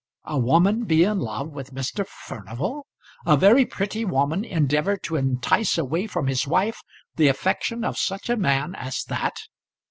A woman be in love with Mr. Furnival! A very pretty woman endeavour to entice away from his wife the affection of such a man as that!